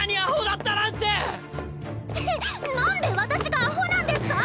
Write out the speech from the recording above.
ってなんで私がアホなんですか？